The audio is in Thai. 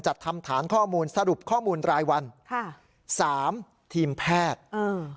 ทำฐานข้อมูลสรุปข้อมูลรายวันค่ะสามทีมแพทย์อืม